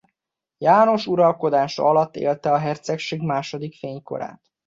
János uralkodása alatt élte a hercegség második fénykorát.